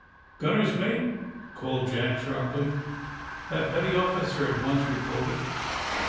"Gunner's mate!" called Jack sharply. That petty officer at once reported.